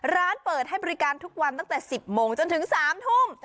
ร้านเปิดให้บริการทุกวันตั้งแต่๑๐โมงจนถึง๓ทุ่ม